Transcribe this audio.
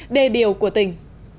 đề điều của tỉnh